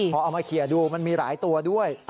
พอเอามาเคลียร์ดูมันมีหลายตัวด้วย